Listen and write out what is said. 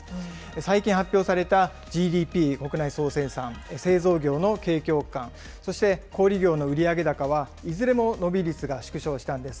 最近発表されたＧＤＰ・国内総生産、製造業の景況感、そして小売り業の売上高はいずれも伸び率が縮小したんです。